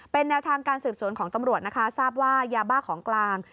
เป็นแนวทางการสืบสวนของตำรวจนะคะทราบว่ายาบ้าของกลาง